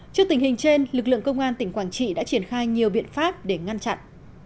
trước tình hình trên lực lượng công an tỉnh quảng trị đã triển khai nhiều biện pháp để ngăn chặn